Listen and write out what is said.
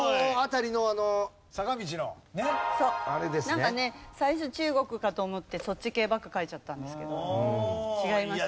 なんかね最初中国かと思ってそっち系ばっか書いちゃったんですけど違いましたね。